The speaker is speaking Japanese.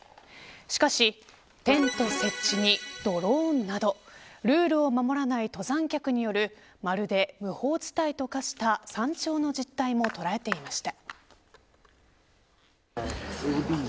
しかし、テント設置にドローンなどルールを守らない登山客によるまるで、無法地帯と化した山頂の実態も捉えていました。